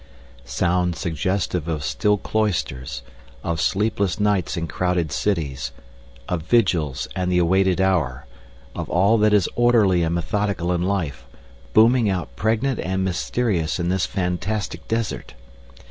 Sound suggestive of still cloisters, of sleepless nights in crowded cities, of vigils and the awaited hour, of all that is orderly and methodical in life, booming out pregnant and mysterious in this fantastic desert!